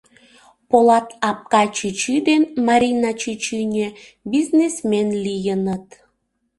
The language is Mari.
Полат Акпай чӱчӱ ден Марина чӱчӱньӧ бизнесмен лийыныт.